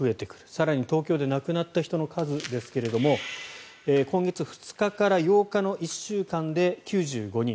更に東京で亡くなった方の数ですが今月２日から８日の１週間で９５人。